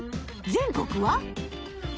全国は？